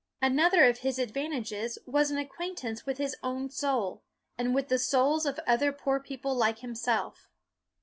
Another of his advantages was an acquaintance with his own soul, and with the souls of other poor people like himself.